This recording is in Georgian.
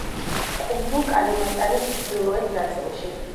კუნძულ კალიმანტანის ჩრდილოეთ ნაწილში.